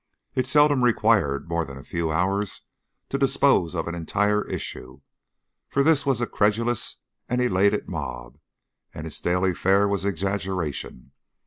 It seldom required more than a few hours to dispose of an entire issue, for this was a credulous and an elated mob, and its daily fare was exaggeration.